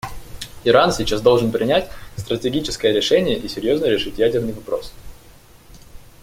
Иран сейчас должен принять стратегическое решение и серьезно решить ядерный вопрос.